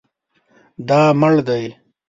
دا مړ دی